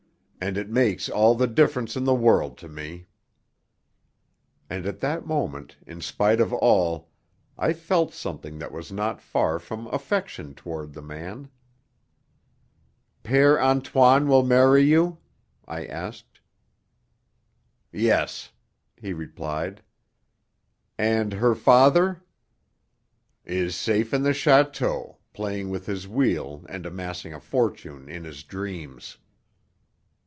"And it makes all the difference in the world to me." And at that moment, in spite of all, I felt something that was not far from affection toward the man. "Père Antoine will marry you?" I asked. "Yes," he replied. "And her father?" "Is safe in the château, playing with his wheel and amassing a fortune in his dreams."